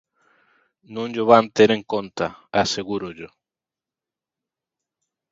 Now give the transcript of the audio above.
Non llo van ter en conta, asegúrollo.